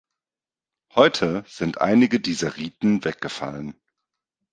Heute sind einige dieser Riten weggefallen.